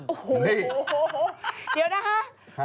โอ้โหเดี๋ยวนะคะ